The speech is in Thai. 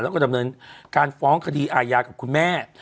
แล้วก็ดำเนินการฟ้องคดีอาญากับคุณแม่